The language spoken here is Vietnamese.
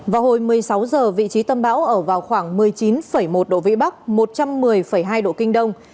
vào hồi một mươi sáu h vị trí tâm bão ở vào khoảng một mươi chín một độ vĩ bắc một trăm một mươi hai độ kinh đông